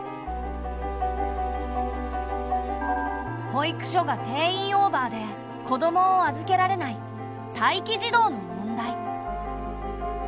保育所が定員オーバーで子どもを預けられない「待機児童」の問題。